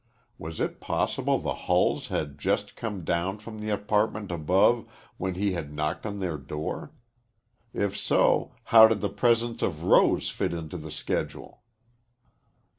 Was it possible the Hulls had just come down from the apartment above when he had knocked on their door? If so, how did the presence of Rose fit into the schedule?